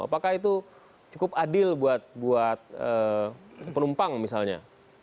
apakah itu cukup adil buat penumpang misalnya